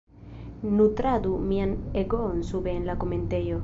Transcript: Nutradu mian egoon sube en la komentejo!